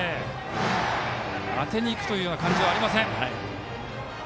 当てにいくという感じはありません。